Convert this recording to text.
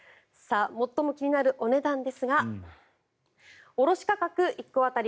最も気になるお値段ですが卸価格１個当たり